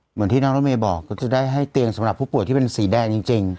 เหมือนที่น้องรถเมย์บอกก็จะได้ให้เตียงสำหรับผู้ป่วยที่เป็นสีแดงจริง